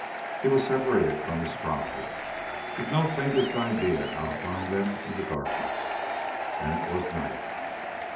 He was separated from his tribe, with no faintest idea how to find them in the darkness. And it was night.